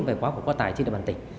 về quá tài trên địa bàn tỉnh